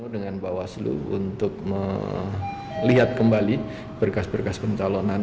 dengan bawa selu untuk melihat kembali berkas berkas pencalonan